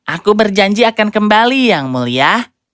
aku berjanji akan kembali yang mulia